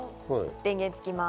電源がつきます。